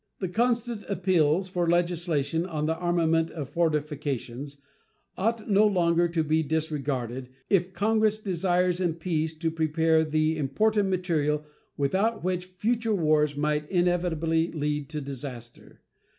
The constant appeals for legislation on the "armament of fortifications" ought no longer to be disregarded if Congress desires in peace to prepare the important material without which future wars must inevitably lead to disaster.